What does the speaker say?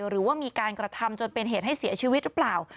หรือว่ามีการกระทำจนเป็นเหตุให้เสียชีวิตหรือเปล่า